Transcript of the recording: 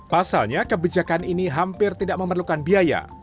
pasalnya kebijakan ini hampir tidak memerlukan biaya